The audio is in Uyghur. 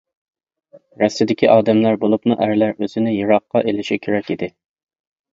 رەستىدىكى ئادەملەر بولۇپمۇ ئەرلەر ئۆزىنى يىراققا ئېلىشى كېرەك ئىدى.